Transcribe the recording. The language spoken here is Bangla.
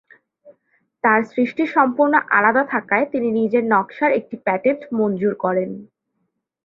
তার সৃষ্টি সম্পূর্ণ আলাদা থাকায়, তিনি নিজের নকশার একটি পেটেন্ট মঞ্জুর করেন।